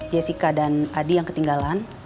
jessica dan adi yang ketinggalan